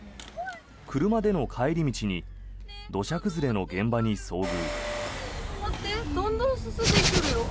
車での帰り道に土砂崩れの現場に遭遇。